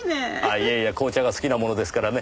いえいえ紅茶が好きなものですからね。